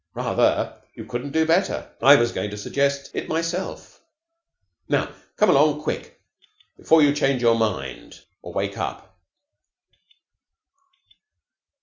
Rather. You couldn't do better. I was going to suggest it myself. Now, come along quick before you change your mind or wake up."